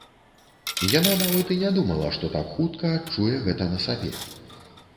Яна нават і не думала, што так хутка адчуе гэта на сабе.